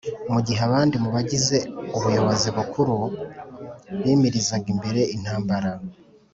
mu gihe abandi mu bagize ubuyobozi bukuru bimirizaga imbere intambara.